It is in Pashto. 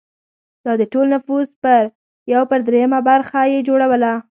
دا د ټول نفوس یو پر درېیمه برخه یې جوړوله